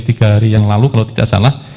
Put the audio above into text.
tiga hari yang lalu kalau tidak salah